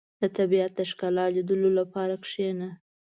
• د طبیعت د ښکلا لیدلو لپاره کښېنه.